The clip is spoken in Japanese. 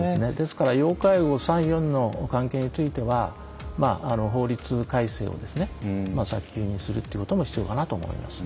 要介護３、４については法律改正を早急にするということが必要かなと思います。